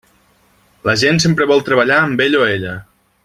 La gent sempre vol treballar amb ell o ella.